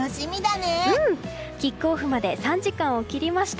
キックオフまで３時間を切りました。